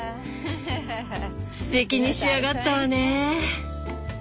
すてきに仕上がったわね！